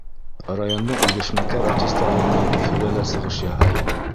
Райондың үҙешмәкәр артистары менән Өфөлә лә сығыш яһай.